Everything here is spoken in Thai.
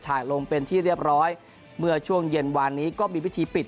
ลงเป็นที่เรียบร้อยเมื่อช่วงเย็นวานนี้ก็มีพิธีปิด